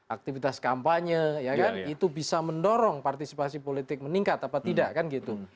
aktivitas kampanye ya kan itu bisa mendorong partisipasi politik meningkat apa tidak kan gitu